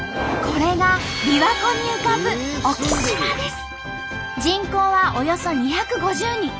これがびわ湖に浮かぶ人口はおよそ２５０人。